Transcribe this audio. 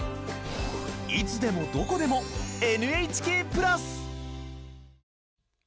いつでもどこでも「ＮＨＫプラス」。